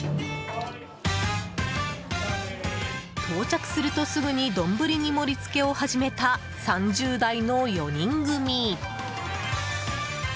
到着すると、すぐに丼に盛り付けを始めた３０代の４人組。